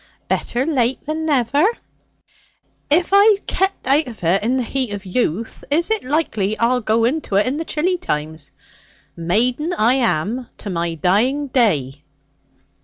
'Better late than never!' 'If I've kep' out of it in the heat of youth, is it likely I'll go into it in the chilly times? Maiden I am to my dying day!'